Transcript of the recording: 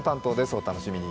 お楽しみに。